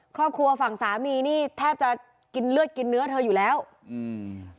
ครอบครัวฝั่งสามีนี่แทบจะกินเลือดกินเนื้อเธออยู่แล้วอืม